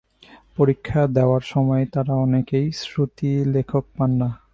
পরীক্ষা দেওয়ার সময় তাঁরা অনেকেই শ্রুতিলেখক পান না।